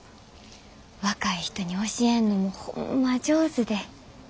若い人に教えんのもホンマ上手で。